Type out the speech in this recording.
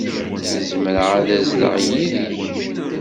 Zemreɣ ad azzleɣ yid-k?